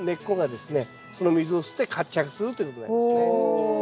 その水を吸って活着するということになりますね。